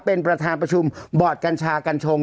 เป็นประธานประชุมบอร์ดกัญชากัญชง